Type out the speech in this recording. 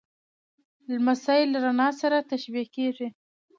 لمسی له رڼا سره تشبیه کېږي.